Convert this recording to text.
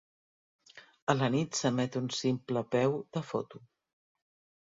A la nit s'emet un simple peu de foto.